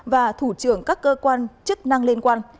và thủ trưởng các cơ quan chức năng liên quan